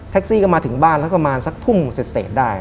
แท็กซี่ก็มาถึงบ้านแล้วก็มาสักทุ่มเสร็จได้